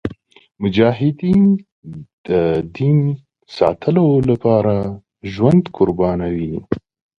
مجاهد د دین ساتلو لپاره ژوند قربانوي.